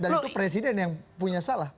dan itu presiden yang punya suatu kemampuan